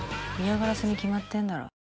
嫌がらせに決まってんだろ。